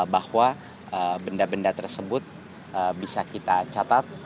bahwa benda benda tersebut bisa kita catat